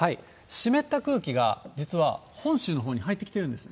湿った空気が実は本州のほうに入ってきてるんです。